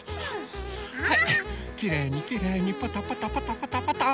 はいきれいにきれいにパタパタパタパタパタ。